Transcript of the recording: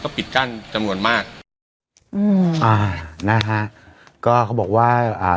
ปิดกั้นจำนวนมากอืมอ่านะฮะก็เขาบอกว่าอ่า